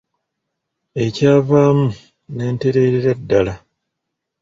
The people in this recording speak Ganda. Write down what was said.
Ekyavaamu ne ntereerera ddala.